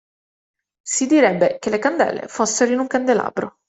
Si direbbe che le candele fossero in un candelabro.